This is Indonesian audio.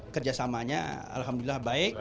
kerjasamanya alhamdulillah baik